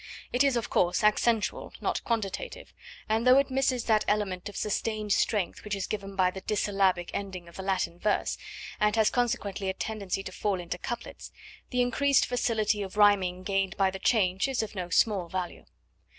It is, of course, accentual not quantitative, and though it misses that element of sustained strength which is given by the dissyllabic ending of the Latin verse, and has consequently a tendency to fall into couplets, the increased facility of rhyming gained by the change is of no small value.